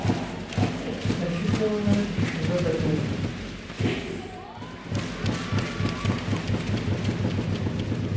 Mačči tura ara d-ikcem baba-twen.